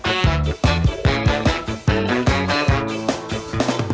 โอ้โหมาบุกรุงโอ้โห